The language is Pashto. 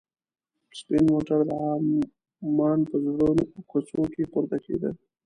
سپین موټر د عمان په زړو کوڅو کې پورته کېده.